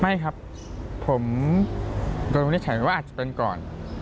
ไม่ครับผมโดนวินิจฉัยว่าอาจจะเป็นก่อน